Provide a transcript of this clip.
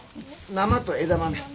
生と枝豆や。